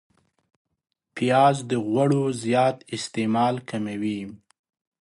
پیاز د غوړو زیات استعمال کموي